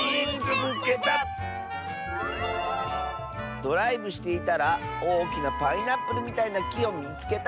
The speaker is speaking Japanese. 「ドライブしていたらおおきなパイナップルみたいなきをみつけた！」。